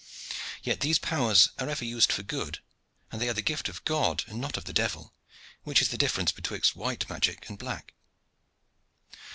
Yet these powers are ever used for good, and they are the gift of God and not of the devil, which is the difference betwixt white magic and black."